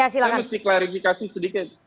saya mesti klarifikasi sedikit